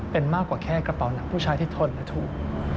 เป็นมากกว่าแค่กระเป๋าหนังผู้ชายที่ทนและถูก